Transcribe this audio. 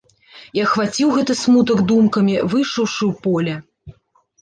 І ахваціў гэты смутак думкамі, выйшаўшы ў поле.